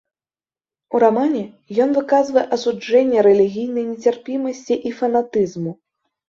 У рамане ён выказвае асуджэнне рэлігійнай нецярпімасці і фанатызму.